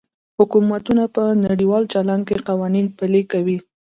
حکومتونه په نړیوال چلند کې قوانین پلي کوي